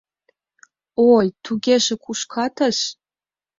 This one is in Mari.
— О-ой, тугеже кушкатыс.